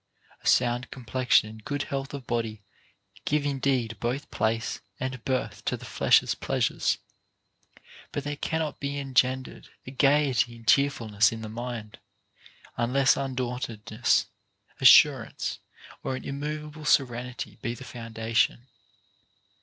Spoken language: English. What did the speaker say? A sound complexion and good health of body give indeed both place and birth to the flesh's pleasures ; but there cannot be engendered a gayety and cheerfulness in the mind, unless undauntedness, assurance, or an immovable serenity be the foundation.